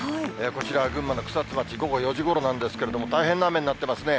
こちらは群馬の草津町、午後４時ごろなんですけれども、大変な雨になってますね。